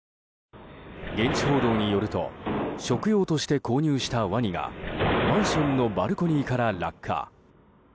現地報道によると食用として購入したワニがマンションのバルコニーから落下。